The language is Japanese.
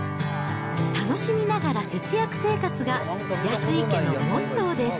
楽しみながら節約生活が安井家のモットーです。